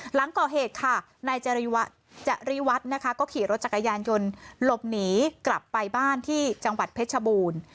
หลังก่อเหตุค่ะนายจริวัฒน์นะคะก็ขี่รถจักรยานยนต์หลบหนีกลับไปบ้านที่จังหวัดเพชรชบูรณ์